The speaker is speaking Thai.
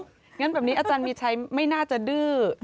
งั้นแบบนี้อาจารย์มีชัยไม่น่าจะดื้อ